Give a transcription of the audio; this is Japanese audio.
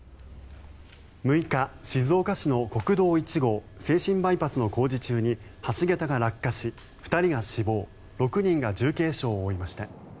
６日、静岡市の国道１号静清バイパスの工事中に橋桁が落下し、２人が死亡６人が重軽傷を負いました。